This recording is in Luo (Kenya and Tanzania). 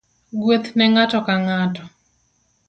Gweth ne ngato ka ngato